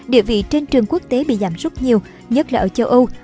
địa vị trên trường quốc tế bị giảm rất nhiều nhất là ở châu âu